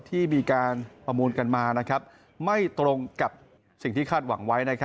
ที่มีการประมูลกันมาไม่ตรงกับสิ่งที่คาดหวังไว้